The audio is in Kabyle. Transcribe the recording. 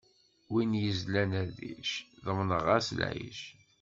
Wi yezlan rric, ḍemneɣ-as lɛic.